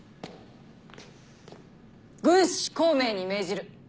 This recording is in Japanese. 軍師孔明に命じる。